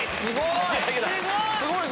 すごい！